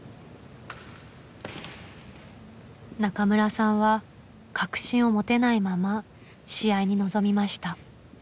中村さんは確信を持てないまま試合に臨みました。